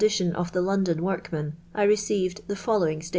n of th< London workmen, I received the folio"Ali,;f •ita!